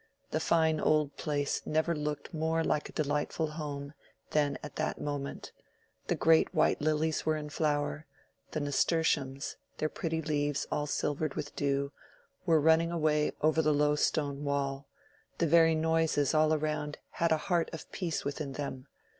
The fine old place never looked more like a delightful home than at that moment; the great white lilies were in flower, the nasturtiums, their pretty leaves all silvered with dew, were running away over the low stone wall; the very noises all around had a heart of peace within them.